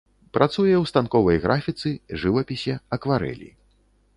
Працуе ў станковай графіцы, жывапісе, акварэлі.